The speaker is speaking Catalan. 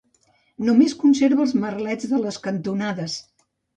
Només conserva els merlets de les cantonades.